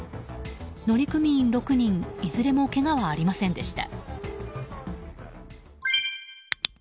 乗組員６人、いずれもけがはありませんでした。